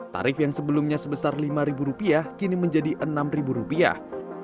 tarif yang sebelumnya sebesar lima rupiah kini menjadi enam ribu rupiah